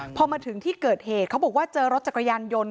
พอมาถึงที่เกิดเหตุเขาบอกว่าเจอรถจักรยานยนต์